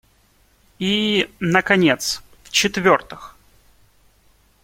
И, наконец, в-четвертых.